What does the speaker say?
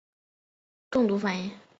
蕈类中毒造成的中毒反应。